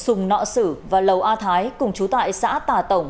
sùng nọ sử và lầu a thái cùng chú tại xã tà tổng